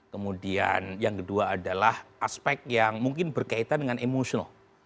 kemudian yang kedua adalah aspek yang mungkin berkaitan dengan emosional